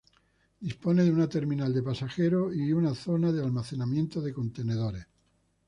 Dispone de una terminal de pasajeros, y una zona de almacenamiento de contenedores.